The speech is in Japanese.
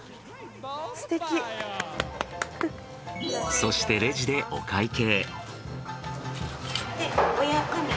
そしてレジでお会計。